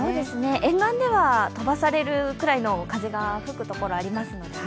沿岸では飛ばされるくらいの風が吹くところありますのでね。